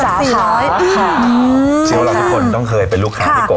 ชิ้วเราทุกคนต้องเคยเป็นลูกค้าพี่กบนะครับ